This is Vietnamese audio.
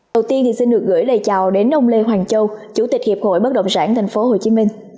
đầu tiên xin được gửi lời chào đến ông lê hoàng châu chủ tịch hiệp hội bất động sản thành phố hồ chí minh